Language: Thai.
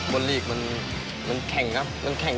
หนึ่ง